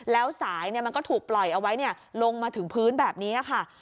แล้วสายมันก็ถูกปล่อยเอาไว้ลงมาถึงพื้นแบบนี้ค่ะ